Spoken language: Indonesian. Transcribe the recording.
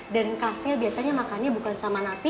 dan khasnya biasanya makannya bukan sama nasi